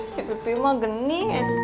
si pepi mah geni